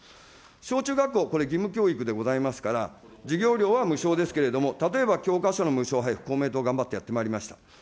小中学校、これ義務教育でございますから、授業料は無償ですけれども、例えば教科書の無償配布、公明党、頑張ってやってまいりました。